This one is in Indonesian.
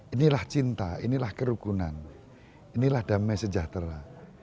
inilah cinta inilah kerukunan inilah damai sejahtera